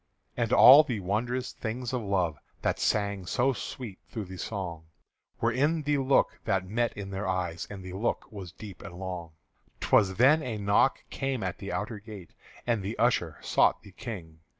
And all the wondrous things of love That sang so sweet through the song Were in the look that met in their eyes, And the look was deep and long. 'T was then a knock came at the outer gate, And the usher sought the King.